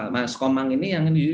mas komang ini yang